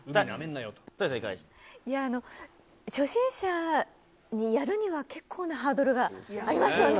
多江さん、初心者に、やるには、結構なハードルがありましたよね。